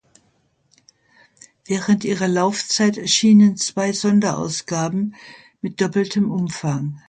Während ihrer Laufzeit erschienen zwei Sonderausgaben mit doppeltem Umfang.